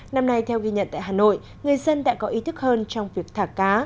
năm nay theo ghi nhận tại hà nội người dân đã có ý thức hơn trong việc thả cá